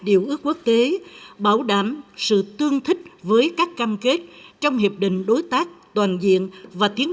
điều ước quốc tế bảo đảm sự tương thích với các cam kết trong hiệp định đối tác toàn diện và tiến